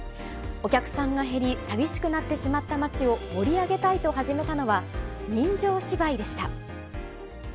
お客さんが減り、寂しくなってしまった町を盛り上げたいと始めたのは、人情芝居でした。